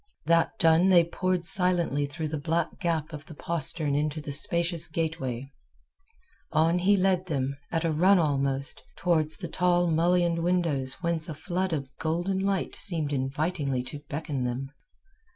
That done they poured silently through that black gap of the postern into the spacious gateway. On he led them, at a run almost, towards the tall mullioned windows whence a flood of golden light seemed invitingly to beckon them.